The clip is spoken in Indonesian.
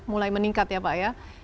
mulai meningkat ya pak ya